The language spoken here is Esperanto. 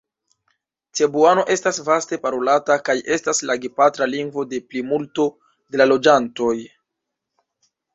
Cebuano estas vaste parolata kaj estas la gepatra lingvo de plimulto de la loĝantoj.